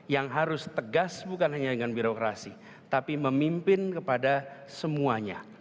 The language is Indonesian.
yang harus tegas bukan hanya dengan birokrasi tapi memimpin kepada semuanya